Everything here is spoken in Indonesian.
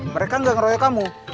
mereka gak ngeroyok kamu